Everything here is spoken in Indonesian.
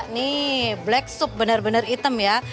nih black sup benar benar hitam ya